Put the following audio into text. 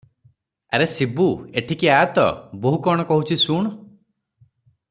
"ଆରେ ଶିବୁ, ଏଠିକି ଆ'ତ, ବୋହୂ କଣ କହୁଛି, ଶୁଣ ।"